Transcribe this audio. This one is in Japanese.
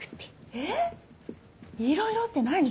えいろいろって何？